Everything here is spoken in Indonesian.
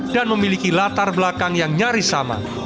dan memiliki latar belakang yang nyaris sama